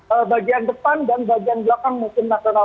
ini berada di bagian depan dan bagian belakang musim nasional